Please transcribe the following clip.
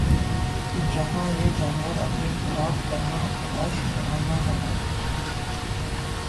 جَہاں یِہ جانور اپنی خوراک کرنا تلاش میں آنا ہونا